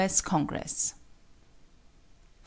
S. Congress_. 4.